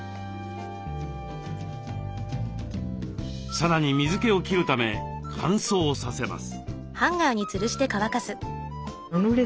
さらに水けを切るため乾燥させます。